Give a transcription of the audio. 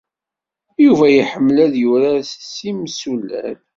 Yuba iḥemmel ad yurar s yimsullal.